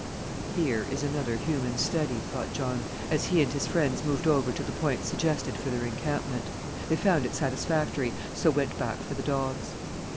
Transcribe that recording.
"Here is another human study," thought John, as he and his friends moved over to the point suggested for their encampment. They found it satisfactory, so went back for the dogs.